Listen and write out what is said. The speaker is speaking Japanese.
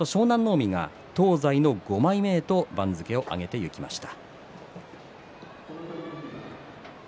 海が東西の５枚目へと番付を上げていきました。